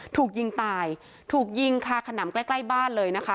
ถูกยิงตายถูกยิงคาขนำใกล้ใกล้บ้านเลยนะคะ